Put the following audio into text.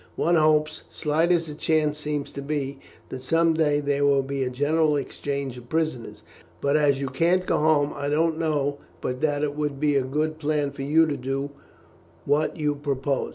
One hopes, slight as the chance seems to be, that some day there will be a general exchange of prisoners. But as you can't go home, I don't know but that it would be a good plan for you to do what you propose.